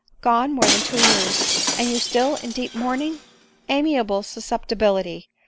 " Gone more than two years, and you still in deep mourning !— Amiable susceptibility